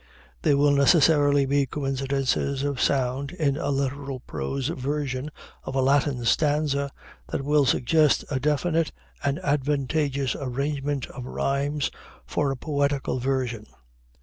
There will necessarily be coincidences of sound in a literal prose version of a Latin stanza that will suggest a definite and advantageous arrangement of rhymes for a poetical version.